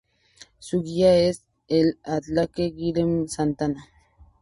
Su guía es el atleta Guilherme Santana.